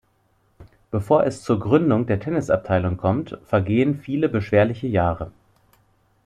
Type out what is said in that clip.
Bevor es zur Gründung der Tennisabteilung kommt, vergehen viele beschwerliche Jahre.